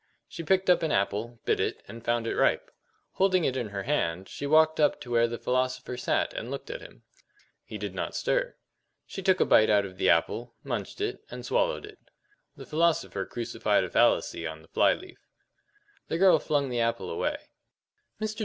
She picked up an apple, bit it, and found it ripe. Holding it in her hand, she walked up to where the philosopher sat, and looked at him. He did not stir. She took a bite out of the apple, munched it, and swallowed it. The philosopher crucified a fallacy on the fly leaf. The girl flung the apple away. "Mr.